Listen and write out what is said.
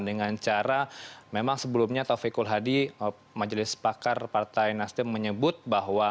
dengan cara memang sebelumnya taufikul hadi majelis pakar partai nasdem menyebut bahwa